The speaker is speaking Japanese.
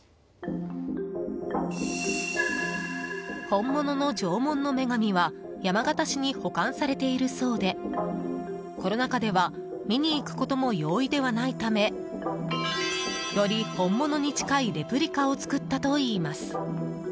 本物の縄文の女神は山形市に保管されているそうでコロナ禍では見に行くことも容易ではないためより本物に近いレプリカを作ったといいます。